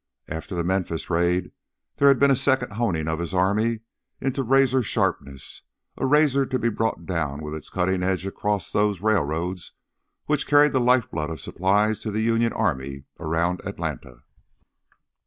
After the Memphis raid there had been a second honing of his army into razor sharpness, a razor to be brought down with its cutting edge across those railroads which carried the lifeblood of supplies to the Union army around Atlanta.